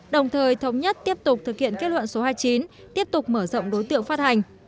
đồng thời thống nhất tiếp tục thực hiện kết luận số hai mươi chín tiếp tục mở rộng đối tượng phát hành